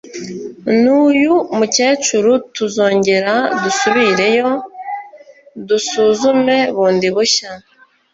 n’uyu mukecuru tuzongera dusubire yo dusuzume bundi bushya”